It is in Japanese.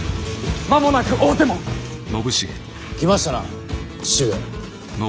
間もなく大手門！来ましたな父上。